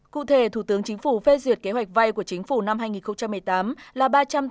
cụ thể thủ tướng chính phủ phê duyệt kế hoạch vay của chính phủ năm hai nghìn một mươi tám là